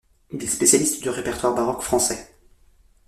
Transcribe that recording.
Il est spécialiste du répertoire baroque français.